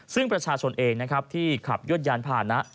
ซึ่งประชาชนเองนะครับที่ขับยวดยานผ่านะ